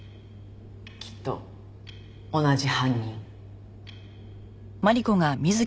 きっと同じ犯人。